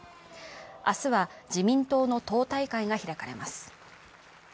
明日は自民党の党大会が開かれます。